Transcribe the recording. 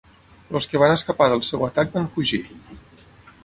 Els que van escapar del seu atac van fugir.